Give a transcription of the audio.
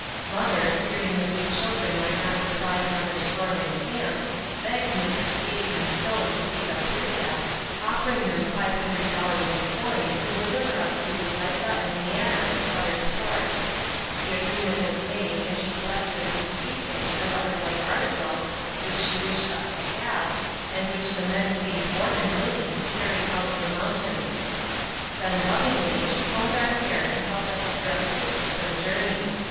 Mother, fearing that we children might not survive another storm in camp, begged Messrs. Cady and Stone to take us with them, offering them five hundred dollars in coin, to deliver us to Elitha and Leanna at Sutter's Fort. The agreement was made, and she collected a few keepsakes and other light articles, which she wished us to have, and which the men seemed more than willing to carry out of the mountains. Then, lovingly, she combed our hair and helped us to dress quickly for the journey.